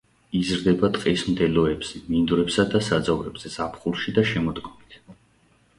იზრდება ტყის მდელოებზე, მინდვრებსა და საძოვრებზე ზაფხულში და შემოდგომით.